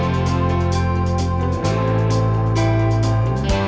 aku bisa berkata kata